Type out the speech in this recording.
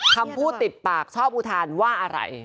คำพูดติดปากชอบอุทานว่าอะไร